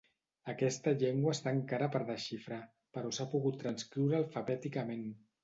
Aquesta llengua està encara per desxifrar, però s'ha pogut transcriure alfabèticament.